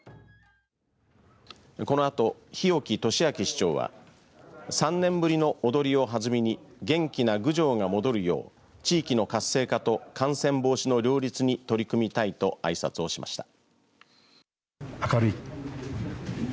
このあと、日置敏明市長は３年ぶりのおどりを弾みに元気な郡上が戻るよう地域の活性化と感染防止の両立に取り組みたいとあいさつをしました。